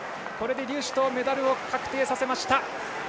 これで劉思とうメダルを確定させました。